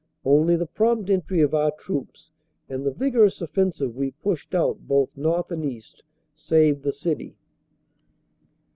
Only the prompt entry of our troops, and the vigorous offen sive we pushed out both north and east, saved the city.